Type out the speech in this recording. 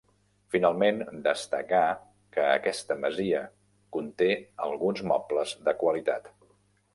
Finalment destacar que aquesta masia conté alguns mobles de qualitat.